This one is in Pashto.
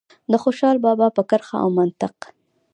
د خوشال بابا په کرښه او منطق.